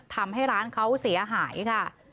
ทำให้ร้านเขาเสียหายค่ะ